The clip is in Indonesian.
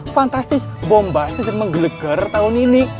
fantastis bombastis dan menggelegar tahun ini